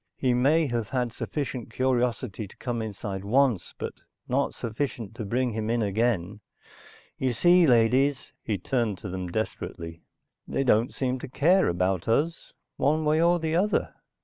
"He may have had sufficient curiosity to come inside once, but not sufficient to bring him in again. You see, ladies," he turned to them desperately. "They don't seem to care about us, one way or the other."